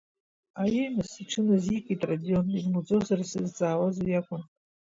Аиеи, нас, иҽыназикит Радион, ибмуӡозар, сзызҵаауаз уи акәын…